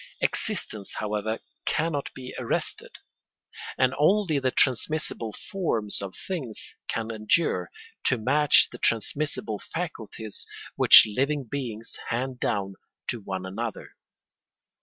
Existence, however, cannot be arrested; and only the transmissible forms of things can endure, to match the transmissible faculties which living beings hand down to one another.